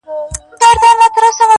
د خپل ښايسته خيال پر رنگينه پاڼه.